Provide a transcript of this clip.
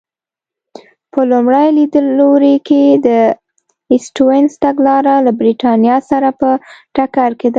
په لومړي لیدلوري کې د سټیونز تګلاره له برېټانیا سره په ټکر کې ده.